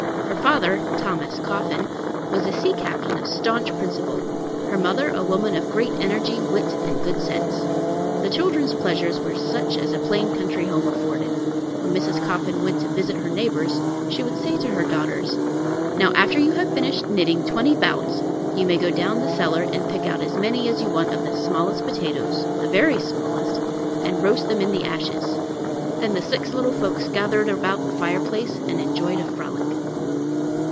Her father, Thomas Coffin, was a sea captain of staunch principle; her mother, a woman of great energy, wit, and good sense. The children's pleasures were such as a plain country home afforded. When Mrs. Coffin went to visit her neighbors, she would say to her daughters, "Now after you have finished knitting twenty bouts, you may go down cellar and pick out as many as you want of the smallest potatoes, the very smallest, and roast them in the ashes." Then the six little folks gathered about the big fireplace and enjoyed a frolic.